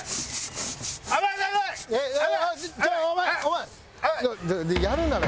お前お前。